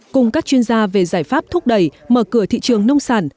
cùng các chuyên gia về giải pháp thúc đẩy mở cửa thị trường nông sản